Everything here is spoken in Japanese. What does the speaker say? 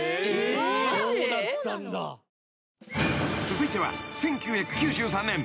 ［続いては１９９３年］